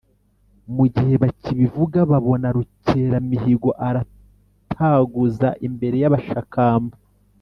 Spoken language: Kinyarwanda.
mu gihe bakibivuga, babona rukeramihigo arataguza imbere y'abashakamba